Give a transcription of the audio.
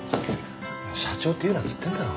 社長って言うなっつってんだろ。